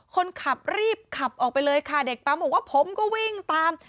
คนขับรีบขับออกไปเลยค่ะเด็กปั๊มบอกว่าผมก็วิ่งตาม